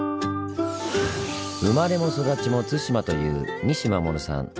生まれも育ちも対馬という西護さん。